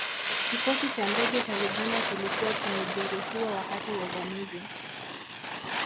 Kikosi cha ndege cha Uganda kilikuwa kimejeruhiwa wakati wa uvamizi